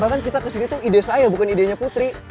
bahkan kita kesini tuh ide saya bukan idenya putri